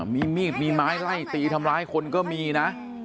มีมีดมีไม้ไล่ตีทำร้ายคนก็มีนะ